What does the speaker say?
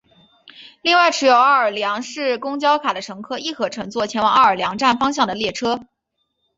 另外持有奥尔良市区公交卡的乘客亦可乘坐前往奥尔良站方向的列车。